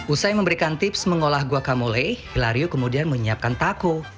usai memberikan tips mengolah guacamole hilario kemudian menyiapkan tako